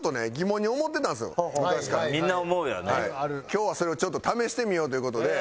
今日はそれをちょっと試してみようという事で。